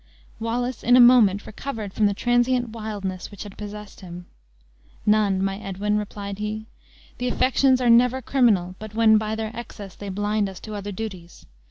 Wallace in a moment recovered from the transient wildness which had possessed him. "None, my Edwin," replied he; "the affections are never criminal but when by their excess they blind us to other duties.